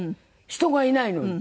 人がいないのに。